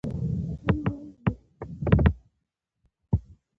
د احمدشاه بابا د واکمني پر مهال د ښځو درناوی کيده.